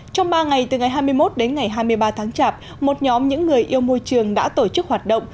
trong ba ngày từ ngày hai mươi một đến ngày hai mươi ba tháng chạp một nhóm những người yêu môi trường đã tổ chức hoạt động